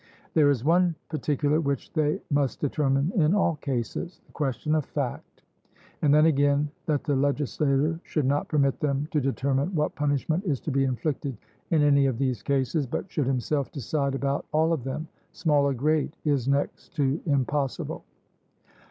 There is one particular which they must determine in all cases the question of fact. And then, again, that the legislator should not permit them to determine what punishment is to be inflicted in any of these cases, but should himself decide about all of them, small or great, is next to impossible.